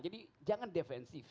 jadi jangan defensif